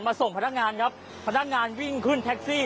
ส่งพนักงานครับพนักงานวิ่งขึ้นแท็กซี่